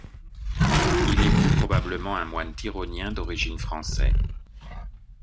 Il est plus probablement un moine tironien d'origine français.